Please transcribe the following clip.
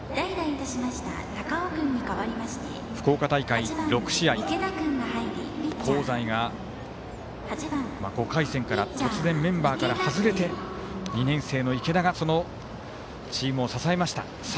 福岡大会、６試合香西が、５回戦から突然メンバーから外れて２年生の池田がチームを支えました。